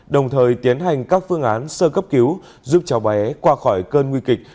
đồng thời tiến hành các phương án sơ cấp cứu giúp cháu bé qua khỏi cơn nguy kịch